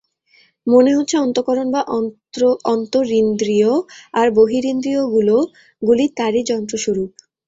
মনে হচ্ছে অন্তঃকরণ বা অন্তরিন্দ্রিয়, আর বহিরিন্দ্রিয়গুলি তারই যন্ত্রস্বরূপ।